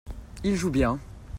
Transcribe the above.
Il joue bien.